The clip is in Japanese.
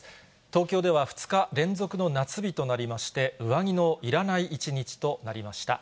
東京では２日連続の夏日となりまして、上着のいらない一日となりました。